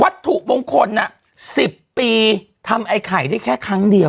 วัดถูกบงคลน่ะสิบปีทำไอ้ไข่ได้แค่ครั้งเดียว